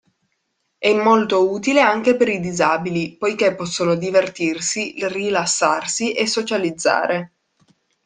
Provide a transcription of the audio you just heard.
È molto utile anche per i disabili, poiché possono divertirsi, rilassarsi e socializzare.